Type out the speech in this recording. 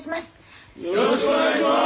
よろしくお願いします。